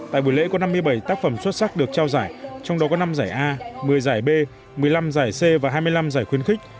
tại buổi lễ có năm mươi bảy tác phẩm xuất sắc được trao giải trong đó có năm giải a một mươi giải b một mươi năm giải c và hai mươi năm giải khuyến khích